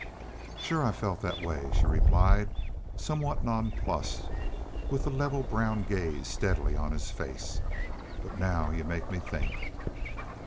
"Shore I felt that way," she replied, somewhat non plussed, with the level brown gaze steadily on his face. "But now y'u make me think."